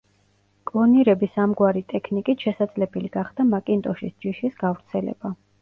კლონირების ამგვარი ტექნიკით შესაძლებელი გახდა მაკინტოშის ჯიშის გავრცელება.